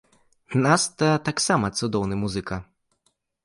Наста таксама цудоўны музыка.